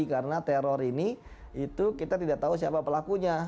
karena teror ini itu kita tidak tahu siapa pelakunya